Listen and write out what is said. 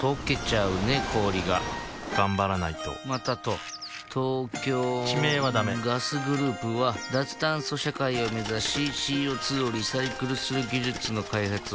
氷が頑張らないとまたと東京地名はダメガスグループは脱炭素社会を目指しＣＯ２をリサイクルする技術の開発をしています